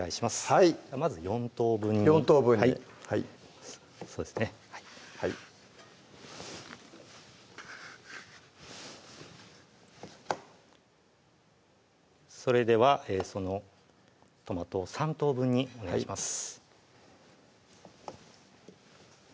はいそれではそのトマトを３等分にお願いします